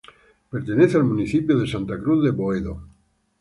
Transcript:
Pertenece al municipio de Santa Cruz de Boedo.